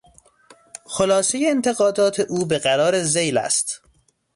خلاصهی انتقادات او به قرار ذیل است.